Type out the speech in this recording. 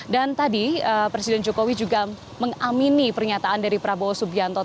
dan tadi presiden jokowi juga mengamini pernyataan dari prabowo subianto